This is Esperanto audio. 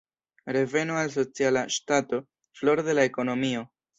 Reveno al sociala ŝtato, floro de la ekonomio.